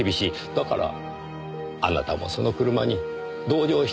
だからあなたもその車に同乗していたんですよ。